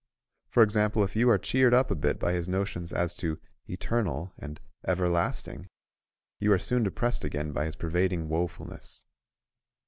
For example, if you are cheered up a bit by his notions as to "Eternal" and "Everlasting," you are soon depressed again by his pervading woefulness.